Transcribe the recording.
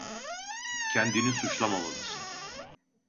Kendini suçlamamalısın.